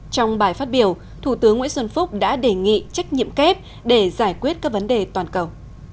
trong bài phát biểu thủ tướng nguyễn xuân phúc đã đề nghị trách nhiệm kép để giải quyết các vấn đề toàn cầu